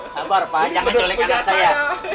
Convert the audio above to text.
sabar pak jangan coleng anak saya